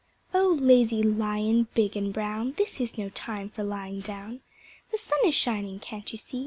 Oh, Lazy Lion, big and brown, This is no time for lying down! The Sun is shining, can't you see?